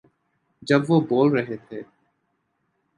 جب وہ بول رہے تھے۔